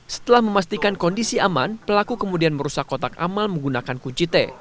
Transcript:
setelah memastikan kondisi aman pelaku kemudian merusak kotak amal menggunakan kunci t